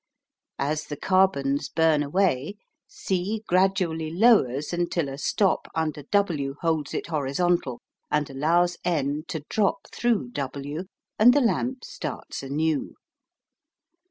As the carbons burn away, C gradually lowers until a stop under W holds it horizontal and allows N to drop through W, and the lamp starts anew.